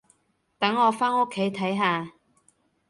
等我返屋企睇下